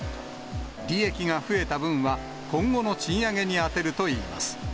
利益が増えた分は、今後の賃上げに充てるといいます。